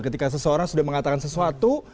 ketika seseorang sudah mengatakan sesuatu